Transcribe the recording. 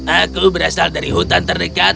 aku berasal dari hutan terdekat